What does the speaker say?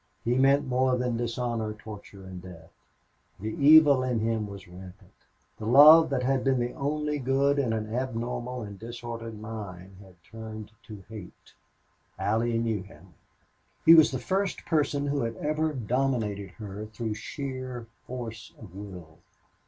He meant more than dishonor, torture, and death. The evil in him was rampant. The love that had been the only good in an abnormal and disordered mind had turned to hate. Allie knew him. He was the first person who had ever dominated her through sheer force of will.